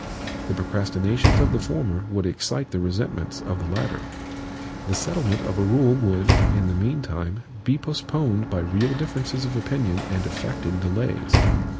The procrastinations of the former would excite the resentments of the latter. The settlement of a rule would, in the meantime, be postponed by real differences of opinion and affected delays.